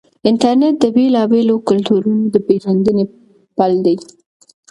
انټرنیټ د بېلابېلو کلتورونو د پیژندنې پل دی.